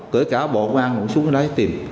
kể cả bộ quán xuống đây tìm